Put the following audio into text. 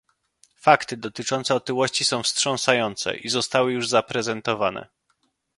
Fakty dotyczące otyłości są wstrząsające i zostały już zaprezentowane